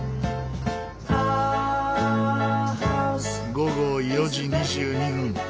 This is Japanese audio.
午後４時２２分